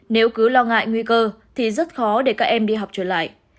nếu cứ lo ngại nguy cơ thì rất khó để các em đi học trở lại